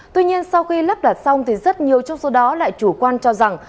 tuy nhiên sau khi lắp đặt xong thì rất nhiều trong số đó lại chủ quan cho rằng